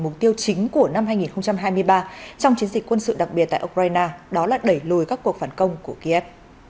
mục tiêu chính của năm hai nghìn hai mươi ba trong chiến dịch quân sự đặc biệt tại ukraine đó là đẩy lùi các cuộc phản công của kiev